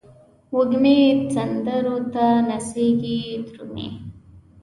وږمې سندرو ته نڅیږې درومې